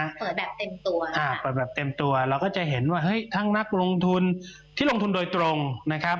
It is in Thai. เปิดแบบเต็มตัวอ่าเปิดแบบเต็มตัวเราก็จะเห็นว่าเฮ้ยทั้งนักลงทุนที่ลงทุนโดยตรงนะครับ